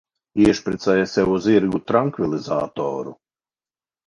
Iešpricē sev zirgu trankvilizatoru.